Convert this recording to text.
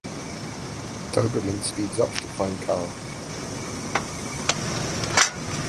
Doberman speeds off to find Carl.